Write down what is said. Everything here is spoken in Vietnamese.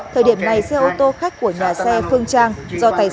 thời điểm này xe ô tô khách của nhà xe phương trang